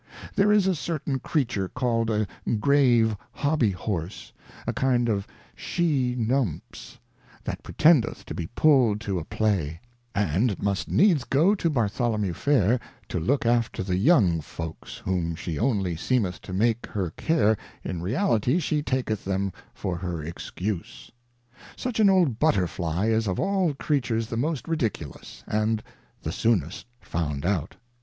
There is a certain Creature call'd a Grave Hobby Horse, a kind of a she Numps, that pretendeth to be pulled to a Play, and must needs go to Bartholomew Fair, to look after the young Folks, whom she only seemeth to make her care, in reality she taketh them for her excuse. Such an old Butterfly is of all Creatures the most ridiculous, and the soonest found out.